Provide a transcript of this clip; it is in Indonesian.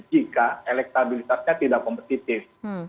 jika elektabilitasnya tidak kompetitif